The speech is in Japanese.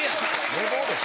寝坊でしょ。